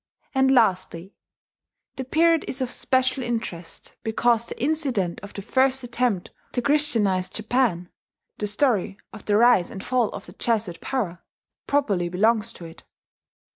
And lastly, the period is of special interest because the incident of the first attempt to christianize Japan the story of the rise and fall of the Jesuit power properly belongs to it.